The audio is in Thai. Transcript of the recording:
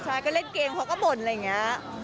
ใช่ก็เล่นเกมเพราะบ่นอะไรอย่างเงี้ย